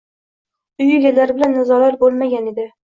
Uy egalari bilan nizolar boʻlmagan edi